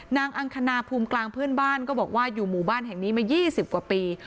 อังคณาภูมิกลางเพื่อนบ้านก็บอกว่าอยู่หมู่บ้านแห่งนี้มา๒๐กว่าปี